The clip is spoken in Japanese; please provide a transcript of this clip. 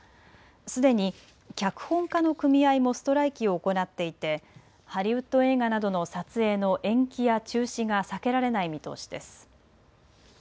すでに脚本家の組合もストライキを行っていてハリウッド映画などの撮影の延期や中止が避けられない見通しです。